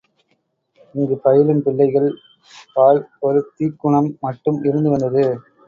இங்குப் பயிலும் பிள்ளைகள் பால் ஒரு தீக்குணம் மட்டும் இருந்து வந்தது.